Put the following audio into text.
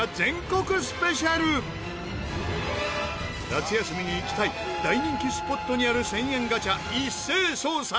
夏休みに行きたい大人気スポットにある１０００円ガチャ一斉捜査！